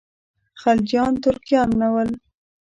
خلجیان ترکان نه ول.